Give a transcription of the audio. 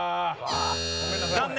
残念。